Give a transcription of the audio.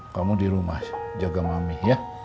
kamu di rumah jaga mami ya